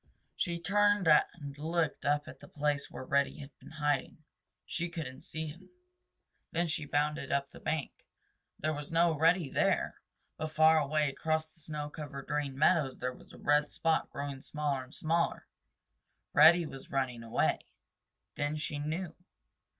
She turned and looked up at the place where Reddy had been hiding. She couldn't see him. Then she bounded up the bank. There was no Reddy there, but far away across the snow covered Green Meadows was a red spot growing smaller and smaller. Reddy was running away. Then she knew.